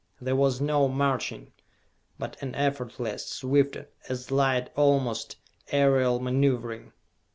There was no marching, but an effortless, swift as light almost, aerial maneuvering.